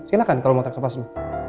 silahkan kalau mau tarik nafas dulu